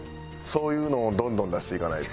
そういうのをどんどん出していかないと。